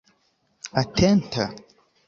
atenta